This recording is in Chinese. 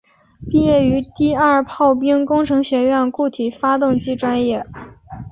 毕业于第二炮兵工程学院固体发动机专业。